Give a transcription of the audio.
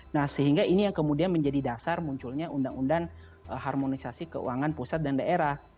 nah sehingga ini yang kemudian menjadi dasar munculnya undang undang harmonisasi keuangan pusat dan daerah